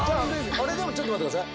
あれでもちょっと待って下さい。